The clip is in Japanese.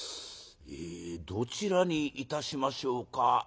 「えどちらにいたしましょうか。